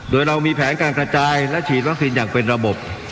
โดยเรามีแผนการกระจายและฉีดวัคซีนอย่างเป็นระบบ